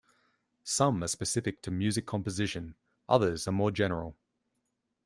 Some are specific to music composition; others are more general.